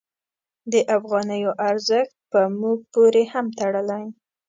د افغانیو ارزښت په موږ پورې هم تړلی.